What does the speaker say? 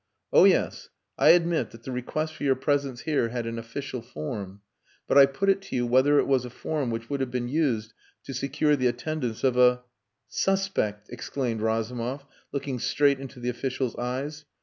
Oh yes! I admit that the request for your presence here had an official form. But I put it to you whether it was a form which would have been used to secure the attendance of a...." "Suspect," exclaimed Razumov, looking straight into the official's eyes.